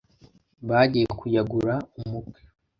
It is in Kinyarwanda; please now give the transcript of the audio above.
bagiye kuyagura umukwe